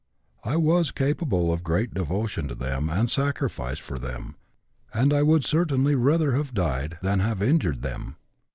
I was capable of great devotion to them and sacrifice for them, and I would certainly rather have died than have injured them.